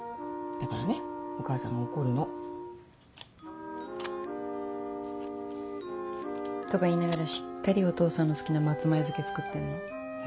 だからねお母さんが怒るの。とか言いながらしっかりお父さんの好きな松前漬け作ってんの？